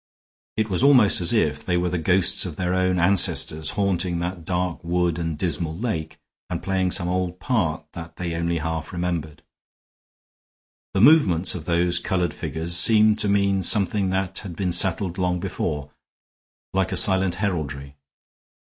It was almost as if they were the ghosts of their own ancestors haunting that dark wood and dismal lake, and playing some old part that they only half remembered. The movements of those colored figures seemed to mean something that had been settled long before, like a silent heraldry.